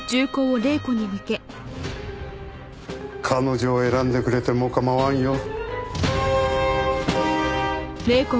彼女を選んでくれても構わんよ。